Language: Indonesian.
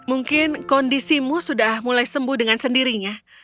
mungkin kondisimu sudah mulai sembuh dengan sendirinya